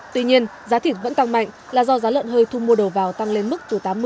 tuy nhiên giá thịt vẫn tăng mạnh là do giá lợn hơi thu mua đồ vào tăng lên mức từ tám mươi